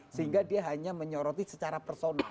sehingga dia hanya menyoroti secara personal